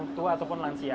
orang tua ataupun lansia